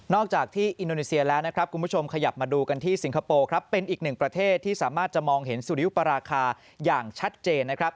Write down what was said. อกจากที่อินโดนีเซียแล้วนะครับคุณผู้ชมขยับมาดูกันที่สิงคโปร์ครับเป็นอีกหนึ่งประเทศที่สามารถจะมองเห็นสุริยุปราคาอย่างชัดเจนนะครับ